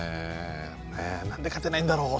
「何で勝てないんだろう